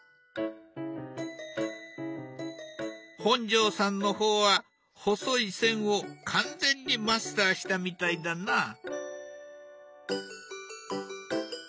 本上さんの方は細い線を完全にマスターしたみたいだな。